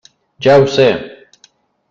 Jo ho sé.